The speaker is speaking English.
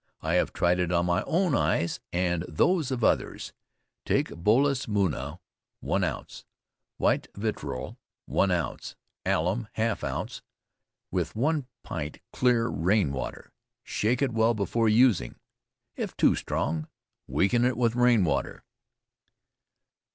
I have tried it on my own eyes and those of others. Take bolus muna 1 ounce, white vitrol 1 ounce, alum half ounce, with one pint clear rain water: shake it well before using. If too strong, weaken it with rain water.